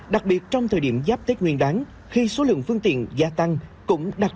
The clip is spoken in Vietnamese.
đặc biệt trong thời điểm giáp tết nguyên đáng khi số lượng phương tiện gia tăng